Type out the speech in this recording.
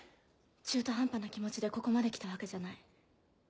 中途半端な気持ちでここまで来たわけじゃない。